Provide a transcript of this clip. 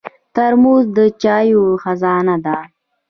ترموز د چایو خزانه ده.